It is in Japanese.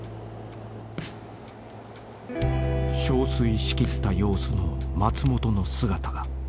［憔悴し切った様子の松本の姿が］